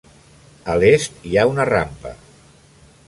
A l'est hi ha una rampa.